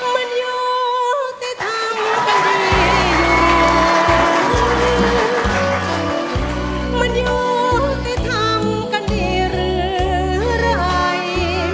มันอยู่แต่ทำกันดีหรืออะไร